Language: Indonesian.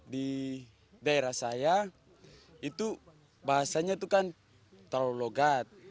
di daerah saya itu bahasanya itu kan terlalu logat